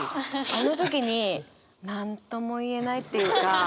あの時になんとも言えないっていうか。